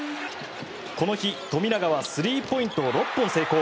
この日、富永はスリーポイントを６本成功。